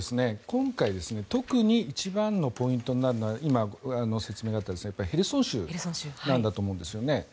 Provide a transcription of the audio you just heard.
今回、特に一番のポイントになるのは今、説明があったようにヘルソン州なんだと思うんですね。